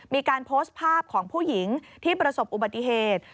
มีการโพสต์ภาพของผู้หญิงที่ประสบอุบัติเหตุ